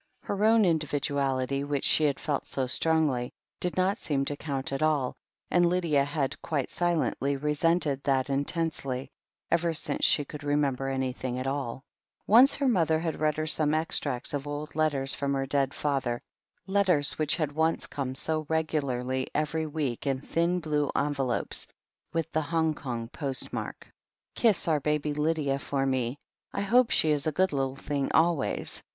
Her own in dividuality, which she felt so strongly, did not seem to count at all, and Lydia had, quite silently, resented that intensely, ever since she could remember any thing at all Once her mother had read her some extracts of old letters from her dead father, letters which had once come so regularly every week in thin blue envelopes with the Hong Kong postmark. "Kiss our baby Lydia for me. I hope she is a good little thing always